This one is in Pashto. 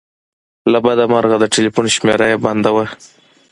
له بده مرغه د ټیلیفون شمېره یې بنده وه.